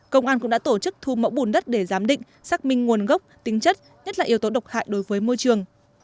công an cũng đã tổ chức thu mẫu bùn đất để giám định xác minh nguồn gốc tính chất nhất là yếu tố độc hại đối với môi trường